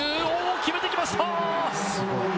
決めてきました！